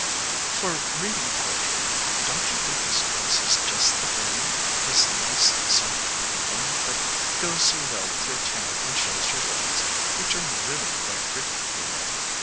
"For reading poetry, don't you think this dress is just the thing, this nice soft blue one that goes so well with your tan and shows your legs, which are really quite pretty, you know....